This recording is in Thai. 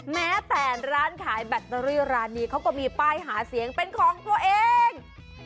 แม้แต่ร้านขายแบตเตอรี่ร้านนี้เขาก็มีป้ายหาเสียงเป็นของตัวเอง